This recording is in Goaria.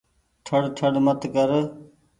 ٺڙ ٺڙ مت ڪر ۔